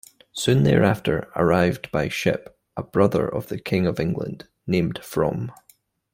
Soon thereafter, arrived by ship a brother of the king of England named From.